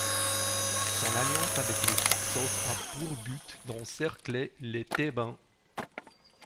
Son alliance avec les Hyksôs a pour but d'encercler les Thébains.